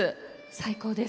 最高です。